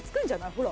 ほら。